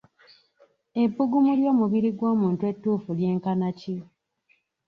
Ebbugumu ly'omubiri gw'omuntu ettuufu lyenkana ki?